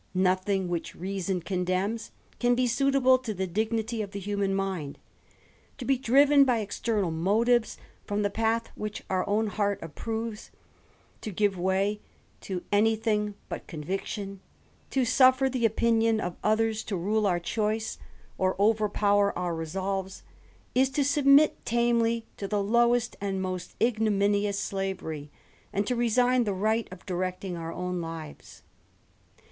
Jothing which ^on condemns can be suiiable to th«ignity of the lluman mind To be driven by external 'Aives from the I>ath which our own heart approves ; K^ve way to any tiling but conviction ; to suffer the opinif if others to rule <iur choice, or overpower our resolves ;' t> submit tamely to the lowest and most ignominious sljy, and to resign the right of directing our own lives.